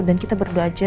jadi kita berdoa aja